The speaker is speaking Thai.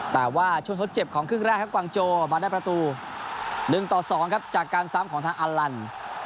แต่ว่าช่วงทดเจ็บของครึ่งแรกครับกวางโจมาได้ประตู๑ต่อ๒ครับจากการซ้ำของทางอลัน